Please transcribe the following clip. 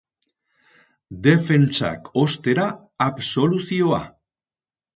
Defentsak, ostera, absoluzioa.